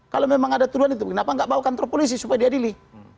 kalau memang ada tuduhan itu kenapa nggak bawa kantor polisi supaya diadili